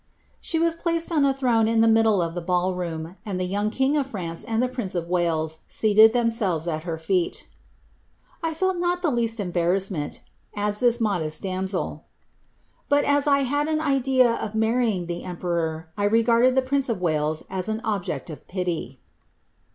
She was placed on a throne in the middle of the ball room, and the young king of France and the prince of Wales seated themselves at her feet. ^^ I felt not the least embar rassed," adds this modest damsel, ^ but as I had an idea of marrying the emperor, I regarded the prince of Wales but as an object of pity